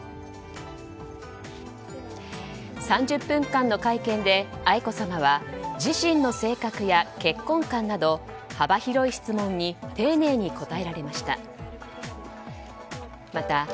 ３０分間の会見で愛子さまは自身の性格や結婚観など幅広い質問に丁寧に答えられました。